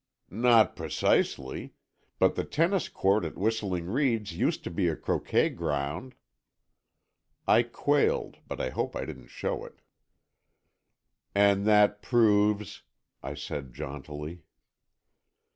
"Not precisely. But the tennis court at Whistling Reeds used to be a croquet ground." I quailed, but I hoped I didn't show it. "And that proves?" I said, jauntily.